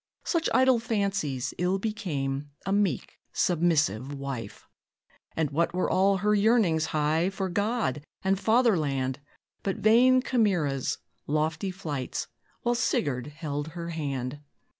Such idle fancies ill became A meek, submissive wife. And what were all her yearnings high For God and "Fatherland" But vain chimeras, lofty flights, While Sigurd held her hand?